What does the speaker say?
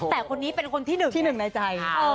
แต่คนนี้เป็นคนที่หนึ่งที่หนึ่งในใจ